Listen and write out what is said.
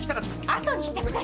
あとにしてください！